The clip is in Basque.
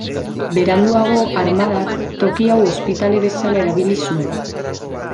Beranduago, armadak, toki hau ospitale bezala erabili zuen.